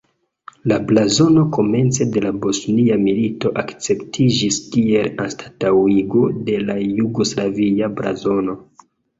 La blazono komence de la Bosnia Milito akceptiĝis kiel anstataŭigo de la jugoslavia blazono.